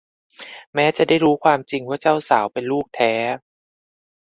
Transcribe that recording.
แม้จะได้รู้ความจริงว่าเจ้าสาวเป็นลูกแท้